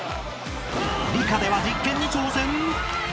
［理科では実験に挑戦！？］